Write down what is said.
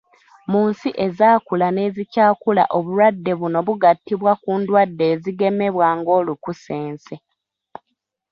Mu nsi ezaakula n'ezikyakula obulwadde buno bugattibwa ku ndwadde ezigemebwa nga olukusense